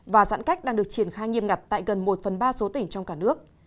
và giãn cách đang được triển khai nghiêm ngặt tại gần một phần ba số tỉnh trong cả nước